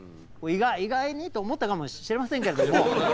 意外にと思ったかもしれませんけれども。